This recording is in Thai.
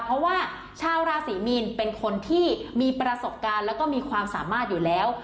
เพราะว่าชาวราศรีมีนเป็นคนที่มีประสบการณ์แล้วก็มีความสามารถอยู่แล้ว